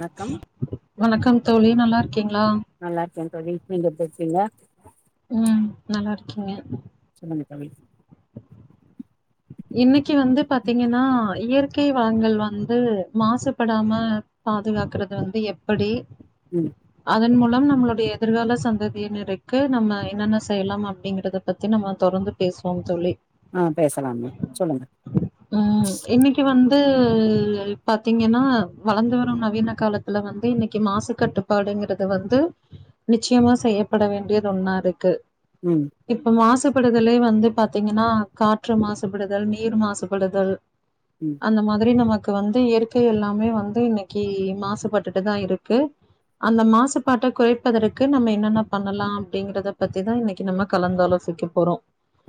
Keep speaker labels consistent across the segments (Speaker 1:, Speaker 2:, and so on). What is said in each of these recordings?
Speaker 1: வணக்கம்
Speaker 2: வணக்கம் தோழி நல்லா இருக் கீங்களா
Speaker 1: நல்லா இருக்கே தோழி நீங்க எப்டி இருக்கீங்க
Speaker 2: ம் நல்லா இருக்கேங்க
Speaker 1: [inaudible]
Speaker 2: இன்னைக்கு வந்து பாத்தீங்கன்னா இயற்கை வளங்கல் வந்து மாசுபடாம பாதுகாக்கறது வந்து எப்படி
Speaker 1: ம்
Speaker 2: அதன் மூலம் நம்மளுடைய எதிர்கால சந்ததிய நிறைக்க நம்ம என்னென்ன செய்யலாம் அப்டிங்கறத பத்தி நம்ம தொடர்ந்து பேசுவோம் தோழி
Speaker 1: ஆம் பேசலாமா சொல்லுங்க
Speaker 2: ந்து பாத்தீங்கன்னா வளர்ந்து வரும் நவீன காலத்துல வந்து இன்னைக்கு மாசு கட்டுப்பாடுங்கறது வந்து நிச்சயமா செய்யப்பட வேண்டிதுல ஒண்ணா இருக்கு
Speaker 1: ம்
Speaker 2: இப்ப மாஸ்சுப் படுதலே வந்து பாத்தீங்கன்னா கா ற்று மாசுபடுதல் நீர் மாசுபடுதல்
Speaker 1: ம்
Speaker 2: அந்த மாதிரி நமக் க்கு வந்து இயற்கை எல்லாமே வந்து இன்னிக்கு மாசுபட்டுட்டுதா இருக்கு அந்த மாசுபாட்ட குறைப்பதற்கு நம்ம என்னென்ன பண்ணலா அப்டிங்கறத பத்திதா இன்னிக்கு நம்ம கலந்தாலோசிக்க போறோ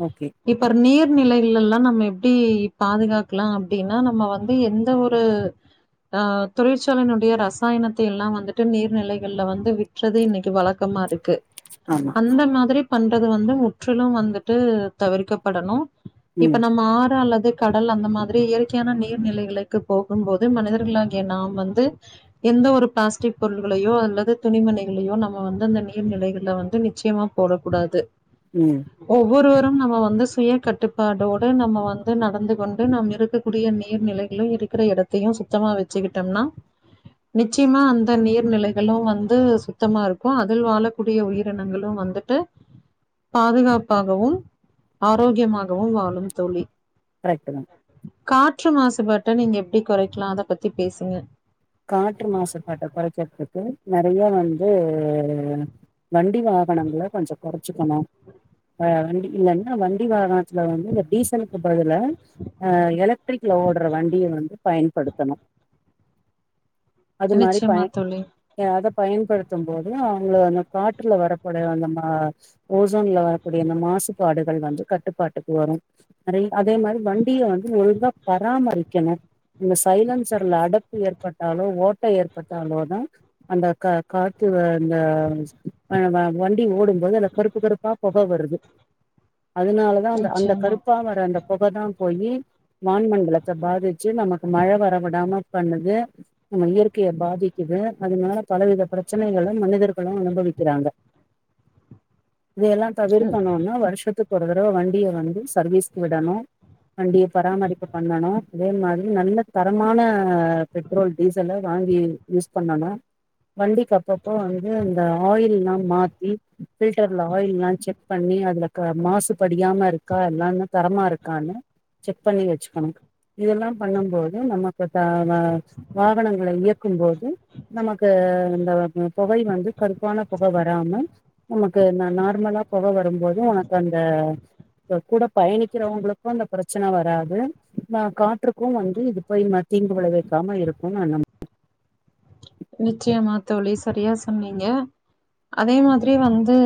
Speaker 1: ஓகே
Speaker 2: இப்பர் நீர் நிலைகள் எல்லா நம்ம எப்டி பாதுகாக்கலா அப்டின்னா நம்ம வந்து எந்த ஒரு ஆ தொழிற்சாலையினுடைய ரசாயனத்தை எல்லா வந்துட்டு நீர்நிலைகள்ல வந்து விற்றதே இன்னிக்கு வலக்கமா இரு க்கு
Speaker 1: ஆமா
Speaker 2: அந்த மாதிரி பண்றது வந்து முற்றிலு வந்துட்டு தவிர்க்கப்படணு இப்ப
Speaker 1: ம்
Speaker 2: நம்ம ஆறு அல்லது கடல் அந்த மாதிரி இயற்கையான நீர் நிலைகளுக்கு போகும்போது மனிதர்களாகிய நாம் வந்து எந்த ஒரு பிளாஸ்டிக் பொருள்களையோ அல்லது துணி மணிகளையோ நம்ம வந்து அந்த நீர் நிலைகள்ல வந்து நிச்சயமா போடக் கூடாது
Speaker 1: ம்
Speaker 2: ஒவ்வொருவர் நம் நாம வந்து சுய கட்டுப் பாடோட நம்ம வந்து நடந்து கொண்டு நம் இருக்கக்கூடிய நீர்நிலைகளு இருக்குற எடத்தையு சுத்தமா வெச்சுக்கிட்டோம்னா நிச்சிமா அந்த நீர்நிலைகளு வந்து சுத்தமா இருக்கு அதில் வாழக்கூடிய உயிரினங்களு வந்துட்டு பாதுகாப்பாகவும் ஆரோக்கியமா கவு வாலும் தோழி
Speaker 1: கரெக்ட்டுதா
Speaker 2: காற்று மாசுபாட்ட நீங்க எப்டி குறைக்கலா அத பத்தி பேசுங்க
Speaker 1: காற்று மாசுபட்ட குறைக்கிற்துக்கு நெறையா வந்து வண்டி வாகனங்கள கொஞ்சோ கொறச் ச்சுக்கணு அ வண்டி இல்லன்னா வண்டி வாகனத்துல வந்து இந்த டீசலுக்கு பதிலா அ எலக்ட்ரிக்ல ஓடுற வண்டிய வந்து பயன்படுத்தணு அது மாரி
Speaker 2: நிச்சயமா
Speaker 1: பயன்
Speaker 2: தோழி.
Speaker 1: எ அத பயன்படுத்தும் போது அவுங்கள அந்த காற்றுல வரக்கூடிய அந்த மா ஓசோன்ல வரக்கூடிய அந்த மாசுபாடுகள் வந்து கட்டுப்பாட்டுக்கு வரும் நெறை அதே மாதிரி வண்டியு வந்து ஒழுங்கா பராமரிக்கணு இந்த சைலன்சர்ல அடப்பு ஏற்ப் பட்டாலோ ஓட்ட ஏற்பட்டாலோதா அந்த கா காத்து அந்த அ வ வண்டி ஓடும்போது அந்த கருப்பு கருப்பா பொக வருது அதனாலதா அந்த அந்த
Speaker 2: நிச்சயமா.
Speaker 1: கருப்பா வர அந்த பொகதா போயி வான்மண்டலத்தை பாதிச்சி நமக்கு மழ வரவிடாம பண்ணுது இயற்கைய பாதிக்கிது அதனால பலவித பிரச்சனைகளும் மனிதர்களும் அனுபவிக்கிறாங்க இதெல்லா
Speaker 2: ம்.
Speaker 1: தவிர்க்கணும்னா வருஷத்துக் ஒரு தடவ வண்டிய வந்து சர்வீஸ்க்கு விடணும் வண்டிய பராமரிப்பு பண்ணணும் அதே மாதிரி நல்ல தரமான பெ ட்ரோல் டீசல்லு வாங்கி யூஸ் பண்ணணும் வண்டிக்கு அப்பப்போ வந்து இந்த ஆயில்லா மாத்தி ஃபில்டர்ல் ஆயில்லா செக் பண்ணி அதுல க மாசுபடியாம இருக்கா எல்லான்னு தரமா இருக்கான்னு செக் பண்ணி வச்சுக்கணும் இதெல்லா பண்ணும் போது நமக்கு தா வா வாகனங்கள இயக்கும் போது நமக்கு அந்த புகை வந்து கருப்பான பொக வராம நமக்கு நா நார்மலா பொக வரும்போது உனக்கு அந்த கூட பயணிக்கிறவங்களுக்கும் அந்த பிரச்சன வராது நா காற்றுக்கும் வந்து இது போயி ம தீங்கு விளை விக்காம இருக் ஆனா நம்
Speaker 2: நிச்சயமா தோழி சரியா சொன்னீங்க அதே மாதிரி வந்து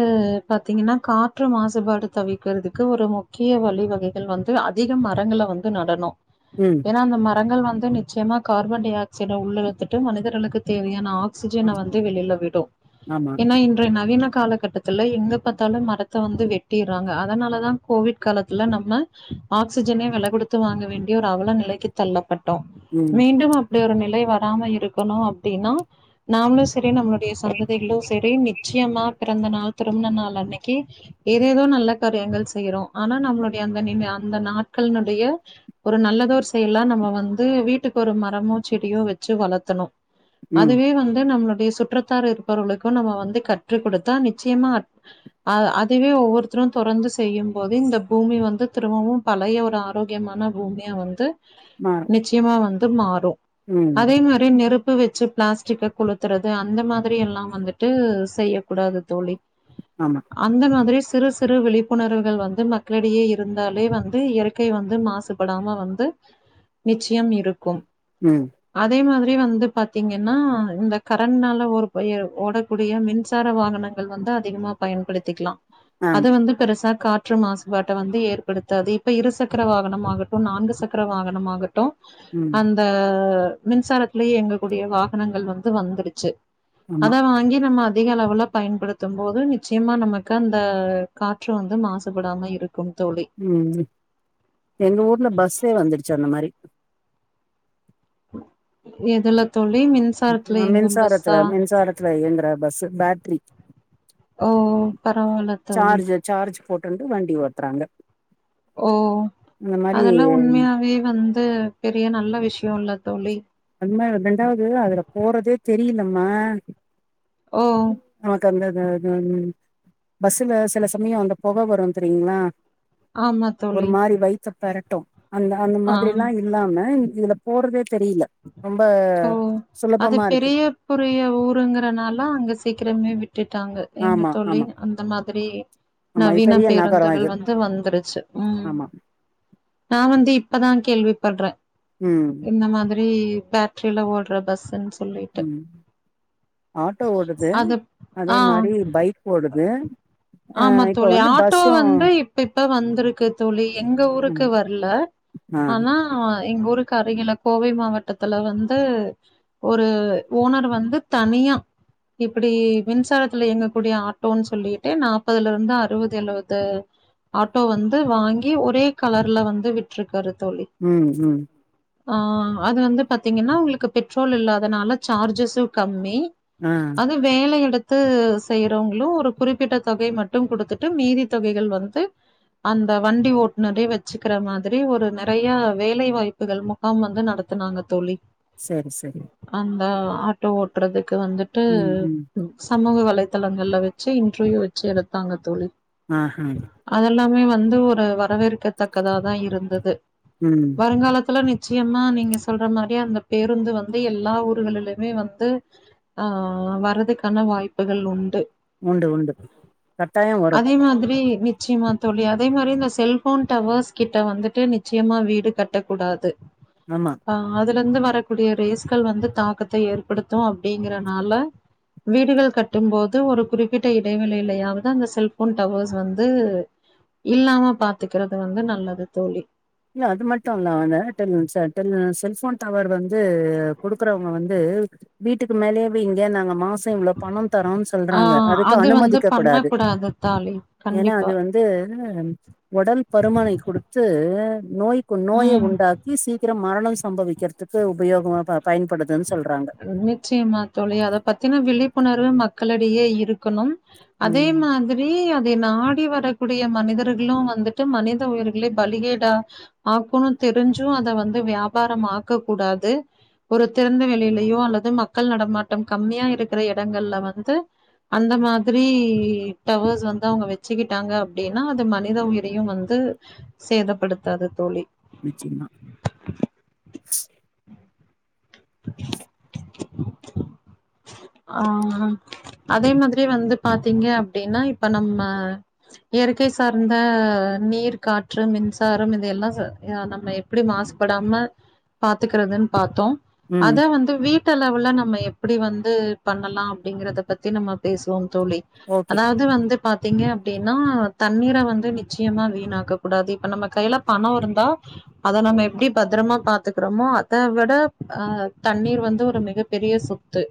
Speaker 2: பாத்தீங்கன்னா காற்று மாசுபாடு தவிக்கிறதுக்கு ஒரு முக்கிய வலிவகைகள் வந்து அதிக மரங்கள வந்து நடணும்
Speaker 1: ம்
Speaker 2: ஏன்னா அந்த ம ரங்கள் வந்து நிச்சயமா கார்பன் டை ஆக்சைடு உள்ள இழுத்துட்டு மனிதர்களுக்கு தேவையான ஆக் சிஜன வந்து வெளியில விடும்
Speaker 1: ஆமா
Speaker 2: ஏன்னா இன்றைய நவீன காலகட்டத்துல எங்க பார்த்தாலும் மரத்த வந்து வெட்டியறாங்க அதனாலதான் கோவிட் காலத்துல நம்ம ஆக்சிஜனே வெல கொடுத்து வாங்க வேண்டிய ஒரு அவல நிலைக்கு தள்ளப்பட் டோம்
Speaker 1: ம்
Speaker 2: மீண்டும் அப்டி ஒரு நில மை வராம இருக்கணும் அப்படினா நாமளும் சரி நம்மள சந்தைகளோ சரி நிச்சயமா பிறந்த நாள் திருமண நாள் அன்னைக்கு ஏதேதோ நல்ல காரியங்கள் செய்யிறோம் ஆனா நம்மளுடைய அந்த அந்த நாட்கனுடைய ஒரு நல்லதோர் செயல் எல்லாம் நம்ம வந்து வீட்டுக்கு ஒரு மரமோ செடியோ வச்சு வளர்த்தணும்
Speaker 1: ம்
Speaker 2: அதுவே வந்து நம்மளுக் சுற்றத்தார் இருப்பவர்களுக்கும் நம்ம வந்து கற்று கொடுத்தா நிச்சயமா அதுவே ஒவ்வொருத்தரும் தெரிந்து செய்யும் போது இந்த பூமி வந்து திரும்பவும் பழைய ஒரு ஆரோக்கியமான பூமியை வந்து
Speaker 1: மாறும்
Speaker 2: நிச்சயமா வந் மாறும்
Speaker 1: ம்
Speaker 2: அதே மாதிரி நெருப் பு வச்சு பிளாஸ்டிக்க குளுத்துறது அந்த மாதிரி எல்லாம் வந்துட்டு செய்யக்கூடாது தோழி
Speaker 1: ஆமா
Speaker 2: அந்த மாதிரியே சிறு சிறு விழிப்புணர்வுகள் வந்து மக்களிடையே இருந்தாலே வந்து இயற்கை வந்து மாசுபடாம வந்து நிச்சயம் இருக்கும்
Speaker 1: ம்
Speaker 2: அதே மாதி ரி வந்து பாத்தீங்கன்னா இந்த கரண்ட்னால ஒரு ஓடக்கூடிய மின்சார வாகனங்கள் வந்து அதிகமாக பயன்படுத்திக்கலாம் அதை
Speaker 1: ஆமா
Speaker 2: வந்து பெருசா காட் ற்று மாசுபாட்டை வந்து ஏற்படுத்தாது இப்ப இரு சக்கர வாகனம்மாகட்டும் நான்கு சக்கர வாகனம்மாகட்டும்
Speaker 1: ம்
Speaker 2: அந்த மின்சாரத்திலேயே எங்களுக் கூடிய வாகனங்கள் வந்து வந்துடுச்சு
Speaker 1: ஆமா
Speaker 2: அதா வாங்கி நம்ம அ திக அளவுல பயன்படுத்தும் போது நிச்சயமா நமக்கு அந்த காற்று வந்து மாசுபடாம இருக்
Speaker 1: ம் எங்க ஊர்ல பஸ்சே வந்துருச்சு அந்த மாரி
Speaker 2: எதுல தோழி? மின்சாரத்துல
Speaker 1: ஆ
Speaker 2: இயங்கும் பஸ்ஸா?
Speaker 1: மின்சாரத்துல மின்சாரத்துல இயங்குற பஸ்ஸு பேட்ரி
Speaker 2: ஓ பரவால்ல தோழி
Speaker 1: போட்டுன்டு வண்டி ஓட்றாங்க
Speaker 2: ஓ அதல்லா உண்மையாவே வந் து பெரிய நல்ல விஷ்யோல்ல தோழி
Speaker 1: அது மாரி ரெண்டாவது அதுல போறதே தெரியிலம்மா
Speaker 2: ஓ
Speaker 1: நமக்கந்த [unintelligible] பஸ்ஸுல சில சமயொ அந்த பொக வரு தெரியிங்ளா
Speaker 2: ஆமா தோழி
Speaker 1: த்த பெரட்டு அந்த அந்த
Speaker 2: ஆ
Speaker 1: மாதிரிலா இல்லாம இதுல போறதே தெரியில
Speaker 2: ஓ அது
Speaker 1: இருக்கு
Speaker 2: பெரிய புரிய ஊருங்கிறனால அங்க சி க்கிரமே வி ட்டுட்டாங்க ஏங்க
Speaker 1: ஆமா
Speaker 2: தோழி
Speaker 1: ஆமா
Speaker 2: அந்த மாதிரி
Speaker 1: ஆமா இது
Speaker 2: நவீன
Speaker 1: பெரிய நகரம் இது
Speaker 2: பேருந்துகள் வந்து வந்துருச்சு ம்
Speaker 1: ஆமா
Speaker 2: நா வந்து இப் பதா கேள்விப்பட்றே
Speaker 1: ம்
Speaker 2: ரி பேட்ரில ஓட்ற பஸ்ஸுன் சொல்லிட்டு
Speaker 1: ம் ஆட்டோ ஓடுது
Speaker 2: அது
Speaker 1: அதே
Speaker 2: ஆ
Speaker 1: மாரி பைக் ஓடுது அ
Speaker 2: ஆமா
Speaker 1: இப்ப
Speaker 2: தோழி
Speaker 1: வந்து
Speaker 2: ஆட்டோ
Speaker 1: பஸ்ஸு
Speaker 2: வந்து இப்ப இப்ப வந்துருக்கு தோழி எங்க ஊருக்கு
Speaker 1: ம்
Speaker 2: வர்ல
Speaker 1: ஆ
Speaker 2: ஆனா எங்கூரு கரையில கோவை மாவட்டத்துல வந்து ஒரு ஓனர் வந்து தனியா இப்பிடி மின்சாரத்துல இயங்கக்கூடிய ஆட்டோன் சொல்லிட்டு நாப்பதுலருந்து அறுவது எழுவது ஆட்டோ வந்து வாங்கி ஒரே கலர்ல வந்து விட்ருக்காரு தோழி.
Speaker 1: ம் ம்
Speaker 2: ஆ அது வந்து பாத்திங்கன்னா உங்களுக்கு பெட்ரோல் இல்லாதனால சார்ஜஸு கம்மி
Speaker 1: ஆ
Speaker 2: அது வேலை எடுத் த்து செய்றவங்களு ஒரு குறிப்பிட்ட தொகை மட்டு குடுத்துட்டு மீதி தொகைகள் வந்து அந்த வண்டி ஓட்டுநரே வச்சுக்கிற மாதிரி ஒரு நெறயா வேலை வாய்ப்புகள் முகாம் வந்து நடத்த நடத்துனாங்க தோழி
Speaker 1: சரி சரி
Speaker 2: ஆ ஆட்டோ ஓட்றது க்கு வந்துட்டு
Speaker 1: ம் ம்
Speaker 2: சமூக வல வலைத்தளங்கள்ல வச்சு இன்ருவியூ வச்சு எடுப்பாங்க தோழி
Speaker 1: ஆஹா
Speaker 2: மே வந்து ஒரு வரவேற்கத்தக்கதா தா இருந்தது
Speaker 1: ம்
Speaker 2: வருங்காலத்துல நிதி நிச்சியம்மா நீங்க சொல்ற மாதிரி அந்த பேருந்து வந்து எல்லா ஊர்களிலயுமே வந்து ஆ வர்றதுக்கான வாய்ப்புகள் உண்டு
Speaker 1: உண்டு உண்டு கட்டாயோ வரு
Speaker 2: நிச்சியமா தோழி அதே மாரி இந்த செல்போன் டவர்ஸ் கிட்ட வந்துட்டு நிச்சயமா வீடு கட்டக் கூடாது
Speaker 1: ஆமா
Speaker 2: ஆ அது ல இருந்து வரக்கூடிய ரேஸ்கள் வந்து தாக்கத்த ஏற்படுத்து அப்டிங்கறனால வீடுகள் கட்டும் போது ஒரு குறிப்பிட்ட இடைவேளிலையாவது அந்த செல்போன் டவர்ஸ் வந்து இல்லாம பாத்துக்குறது வந்து நல்லது தோழி
Speaker 1: இல்ல அது மட்டு இல்ல அந்த செல்போன் டவர் வந்து குடுக்குறவங்க வந்து வீட்டுக்கு மேலேயவெ இங்க நாங்க மாஸ் சார் இவ்ளோ பணம் தரோ
Speaker 2: ஆ
Speaker 1: சொல்றாங்க அதுக்கு
Speaker 2: அது வந்து
Speaker 1: அனுமதிக்கக் கூடாது
Speaker 2: பண்ணக்கூடாது தாலி
Speaker 1: ஏன்னா
Speaker 2: கண்டிப்பா
Speaker 1: அது வந்து உடல் பருமனை குடுத்து நோய்க்கு நோய
Speaker 2: ம்
Speaker 1: உண்டாக்கி சீக்கிரம் மரணம் சம்பவிக்கிறதுக்கு உபயோகமா ப பயன்படுத்த
Speaker 2: நிச்சியமா தோழி அத பாத்தின விழிப்புணர்வு மக் க்களடேயே இருக்கணும் அதே
Speaker 1: ம்
Speaker 2: மாதிரி நாடி வரக்கூடிய மனிதர்களு வந்துட்டு மனித உயிர்களை பலிகேடா ஆக்கணு தெரிஞ்சு அத வந்து வியாபார ஆக்கக்கூடாது ஒரு தெறந்த வெளியில ஐயோ அல்லது மக்கள் நடமாட்டம் கம்மியா இருக்கிற இடங்கள்ல வந்து அந்த மாதிரி டவர்ஸ் வந்து அவுங்க வச்சுக்கிட்டாங்க அப்டினா அது மனித உயிரையு வந்து சேதப்படுத்தாது தோழி
Speaker 1: நிச்சயமா
Speaker 2: [unintelligible] ஆ அதே மாதிரி வந்து பாத்தீங்க அப்டினா இப்ப நம்ம இயற்கை சார்ந்த நீர் காற்று மின்சாரம் இத எல்லா நம்ம எப்டி மாசுபடாம பாத்துக்கறதுன் பாத்தோ
Speaker 1: ம்
Speaker 2: அத வந்து வீட்டலவுல நம் நம்ம எப்டி வந்து பண்ணலா அப்டிங்கறத பத்தி நம்ம பேசுவோ தோழி
Speaker 1: ஓகே
Speaker 2: அதாவது வந்து பாத்தீங்க அப்டின்னா தண்ணீர வந்து நிச்சயமா வீணாக்க கூடாது இப்ப நம்ம கையில பணோ இருந்தா அத நம்ம எப்டி பத்துரமா பாத்துக்குறோமோ அத விட ஆ தண்ணீர் வந்து ஒரு மிகப் பெரிய சொத்து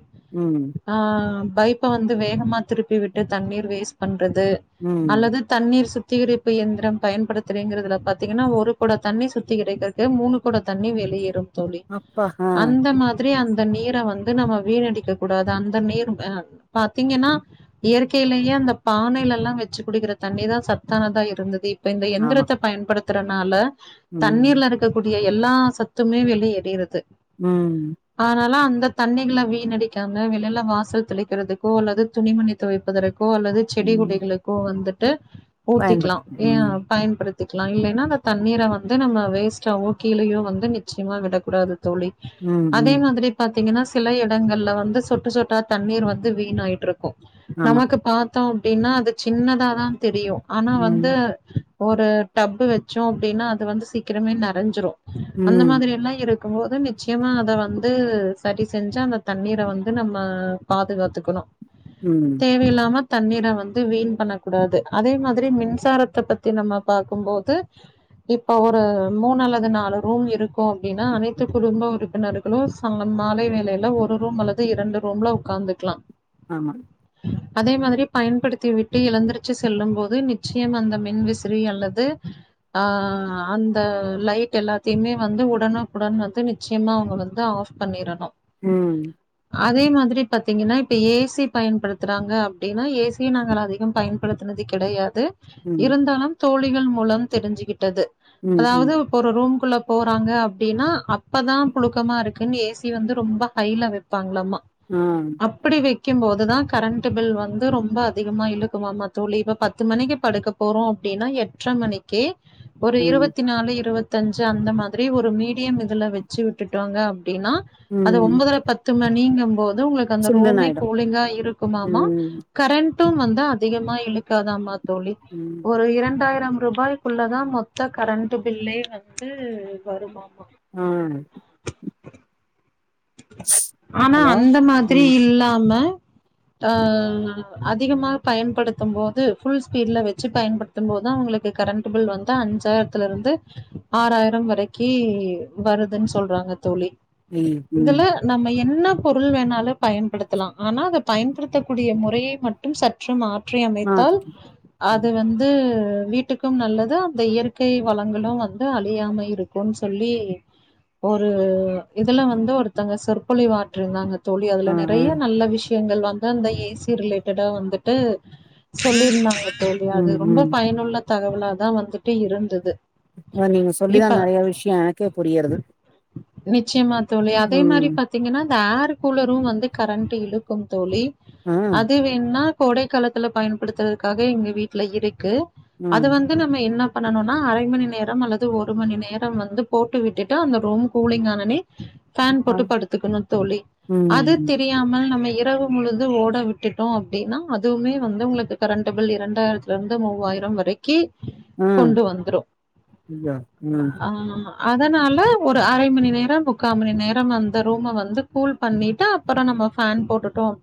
Speaker 1: ம்
Speaker 2: ஆம் பைப்ப வந்து வேகமா திருப்பி விட்டு தண்ணீர் வேஸ்ட் பண் பண்றது
Speaker 1: ம்
Speaker 2: அல்லது தண்ணீர் சுத் சுத்திகரிப்பு இயந்துரம் பயன்படுத்திறங்கதுல பாத்தீங்கனா ஒரு கொடோ தண்ணி சுத்திகரிக்கிறக்கு மூணு கொடோ தண்ணீ வெளியேறும் தோழி
Speaker 1: அப்பா ஆ
Speaker 2: அந்த மாதிரி அந் இந்த நீர வந்து நம்ம வீணடிக்க கூடாது அந்த நீர் எ பாத்தீங்கன்னா இயற்கையிலேயே அந்த பானைலா வெச்சு குடிக்கிற தண்ணி தா சத்தானதா இருந்துது இப் இப்ப இந்த
Speaker 1: ஆமா
Speaker 2: எந்துரத்த பயன்டுத் த்துற நால
Speaker 1: ம்
Speaker 2: தண்ணீர்ல இருக்கக்கூடிய எல்லா சத்துமே வெளியேறிறது
Speaker 1: ம்
Speaker 2: ந்த தண்ணிகள வீண்ணடிக் காம வெளில வாசல் தெளிக்கிறதுக்கோ அல்லது துணிமணி துவைப்பதற் கோ அல்லது செடி
Speaker 1: ம்
Speaker 2: கொடிகளுக்கோ வந்துட் ட்டு ஊத்திக்கலா
Speaker 1: பயன்படுத்து
Speaker 2: ஏ
Speaker 1: ம்
Speaker 2: பயன்படுத் த்திக்கலா இல்லனா அந்த தண்ணீர வந்து நம்ம வேஸ்டாவோ கீழயோ வந்து நிச்சயமா விடக்கூடாது தோழி
Speaker 1: ம்
Speaker 2: அதே
Speaker 1: ம்
Speaker 2: மாதிரி பாத்தீங்கன்னாஸ் சில இடங்கள்ல வ வந்து சொட்டு சொட்டா தண்ணீர் வந்து வீண ஆயிட்ருக்கு
Speaker 1: ஆமா
Speaker 2: நமக்கு பா த்தோ அப்டின்னா அது சின்னதாதான் தெரியு ஆனா
Speaker 1: ம்
Speaker 2: வந்து ஒரு டப்பு வெச்சோ அப்டின்னா அது வந்து சீக்கிரமே நெறஞ்சுரு அந்த
Speaker 1: ம்
Speaker 2: மாதிரி எல்லா இருக் இருக்கும் போது நிச்சயமா அத வந்து செரி செஞ்சா அந்த தண்ணீர் ர வந்து நம்ம பாதுகாத்துக்கணு
Speaker 1: ம்
Speaker 2: தேவையில்லாம தண்ணீர வந்து வீண் பண்ணக் கூடாது அதே மாதிரி மின்சாரத்த பத்தி நம்ம பாக்கம் போது இப்ப ஒரு மூன்னு அல்லது நாலு ரூம் இருக்கு அப்டின்னா அனைத்து குடும்ப உறுப்பினர்களு [unintelligible] மாலை வேளையில ஒரு ரூம் அல்லது ந்து இரண்டு ரூம்ல உக்காந்துக்கலா
Speaker 1: ஆமா
Speaker 2: அதே மாதிரி பயன்படுத்தி விட்டு ஏழுந்துருச்சு செல்லும் போது நிச்சயம் அந்த மின் விசிறி அல்லது அ அந்த லைட் எல்லாத்தையுமே வந்து உடனுக்குடன் வந்து நிச்சயமா அவுங்க வந்து ஆஃப் பண்ணிறனு
Speaker 1: ம்
Speaker 2: அதே மாதிரி பாத்தீங்கன்னா இப்ப ஏசி பயன்படுத்துறாங்க அப்டின்னா ஏசிய நாங்க அதிகம் பயன்படுத்துனது கெடயாது
Speaker 1: ம்
Speaker 2: இருந்தாலும் தோழிகள் மூலம் தெரிஞ்சுகிட்டது
Speaker 1: ம் ம்
Speaker 2: அதாவது இப்ப ஒரு ரூம் உள்ள போறாங்க அப்டின்னா அப்பதா புழுக்கமா இருக்குன்னு ஏசி வந்து ரொம்ப ஹைல பாங்ளலாமா
Speaker 1: ஆ
Speaker 2: அப்டி வெ வக்கும்போது தா கரண்ட்டு பில் வந்து ரொம்ப அதிகமாக இழுக்குமமா தோழி இப்ப பத்து மணிக்கு படுக்க போறோ அப்டின்னா எட்ரை மணிக்கே ஒரு
Speaker 1: ம்
Speaker 2: இருபத்தி நாலு இருபத்தி முப்பத்தஞ்சு அந்த மாதிரி ஒரு மீடியம் இதுல வச்சு விட்டுட்டு வாங்க அப்படினா அது
Speaker 1: ம்
Speaker 2: ஒன்பதர பத்து நீங்கம் போது ஒங்களுக்கு அந்த
Speaker 1: சில்லுன்னு
Speaker 2: ரூமே
Speaker 1: ஆயிடும்
Speaker 2: கூலிங்கா இருக்குமாமா
Speaker 1: ம்
Speaker 2: கரண்ட் ட்டும் வந்தா அதிகமா இழுக்காதாமா தோழி
Speaker 1: ம்
Speaker 2: ஒரு இரண்டாயிரம் ரூபாய்க்குள்ளே தா மொத்த கரண்ட்டு பில்லே வந்து வருமா
Speaker 1: ஆ
Speaker 2: [unintelligible] ஆனா
Speaker 1: ஹலோ
Speaker 2: அந்த மாதிரி
Speaker 1: ம்
Speaker 2: இல்லாம ஆ அதிகமாக பயன்படுத்தும் போது ஃபுல் ஸ்பீட்ல வச்சு பயன்படுத்தும் போது தா அவுங்களுக்கு கரண்ட் பில் வந்து அஞ்சாயிரத்துல இருந்து ஆறாயிரம் வரைக்கி வருதுன் சொல்றாங்க தோழி
Speaker 1: ஐ ம்
Speaker 2: இதுல நம்ம என்ன பொருள் வேணாலு பயன்படுத்தலா ஆனா அத பயன்படுத்தக்கூடிய முறைய மட்டு சற்று மாற்ற ற்றி அமைத்தால்
Speaker 1: மாத்திக்கணும் ம்
Speaker 2: அது வந்து வீட்டுக்கும் நல்லது அந்த இயற்கை வளங்களும் வந்து அழியாம இருக்குன் சொல்லி ஒரு இதுல வந்து ஒரு த்தவங்க சொற்ப்பொழிவு ஆற்றுங்காங்க தோழி அதுல
Speaker 1: ஆ ஆ
Speaker 2: நெறயா நல்ல விஷ்ய வந்து அந்த ஏசி ரிலேட்டடா வந்துட்டு சொல்லி இருந்தாங்க தோழி அது
Speaker 1: ம்
Speaker 2: ரொம்ப
Speaker 1: ம்
Speaker 2: பயனுள்ள தகவலா தா வந்துட்டு இருந்தது
Speaker 1: வ நீங்க சொல்லிதா
Speaker 2: இப்ப
Speaker 1: நறைய விஷ்யொ எனக்கே புரியற்து
Speaker 2: நி ச்சியமா தோழி அ தே மாரி பாத்தீங்கன்னா இந்த ஏர் கூலரூ வந்து கரண்ட்டு இழுக்கும் தோழி
Speaker 1: ஆ
Speaker 2: அது வேண்ணா கோடை காலத்துல பயன்படுத்துறதுக்காக எங்க வீட்ல இரு க்கு
Speaker 1: ஆ
Speaker 2: அத வந்து நம்ம என்ன பண்ணனுனா அரை மணி நேரம் அல்லது ஒரு மணி நேரம் வந்து போட்டு விட்டுட்டு அந்த ரூம் கூலிங் ஆனொனே ஃபேன்
Speaker 1: ஆ
Speaker 2: போட்டு படுத்துக்கனு‌ தோழி
Speaker 1: ம்
Speaker 2: அது
Speaker 1: ம்
Speaker 2: தெரியாமல் நம்ம இரவு‌ முழுது ஓட விட்டுட்டோ அப்டின்னா அதுவுமே வந்து உங்களுக்கு கரண்ட் பில் இரண்டாயிரத்துல இருந்து மூவாயிரம் வரைக்கி
Speaker 1: ம்
Speaker 2: கொண்டு வந்துரும்.
Speaker 1: அய்யோ ம்
Speaker 2: ஆ அதனால ஒரு அரை மணி நேர முக்கா‌ மணி நேரம் அந்த ரூம வந்து கூல் பண்ணிட்டு அப்பற நம்ம ஃபேன் போட்டுட்டோ